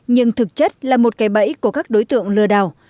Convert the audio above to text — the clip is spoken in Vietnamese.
nhưng thực chất là một cái bẫy của các đối tượng lừa đảo